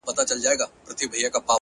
هره شېبه د ځان سمون فرصت دی،